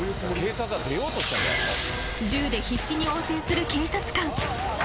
［銃で必死に応戦する警察官］